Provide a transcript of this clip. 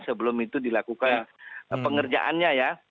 sebelum itu dilakukan pengerjaannya ya